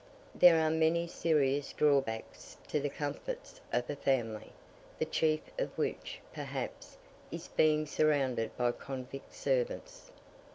There are many serious drawbacks to the comforts of a family, the chief of which, perhaps, is being surrounded by convict servants.